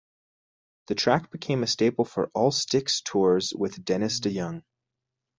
The track became a staple for all Styx tours with Dennis DeYoung.